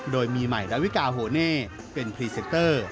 โดยมีใหม่ดาวิกาโฮเน่เป็นพรีเซนเตอร์